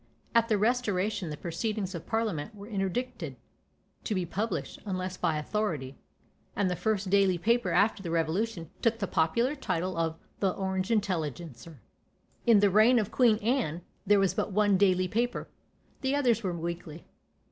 At the Restoration the proceedings of parliament were interdicted to be published, unless by authority; and the first daily paper after the Revolution took the popular title of "The Orange Intelligencer." In the reign of Queen Anne, there was but one daily paper; the others were weekly.